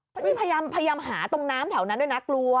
เพราะนี่พยายามหาตรงน้ำแถวนั้นด้วยนะกลัว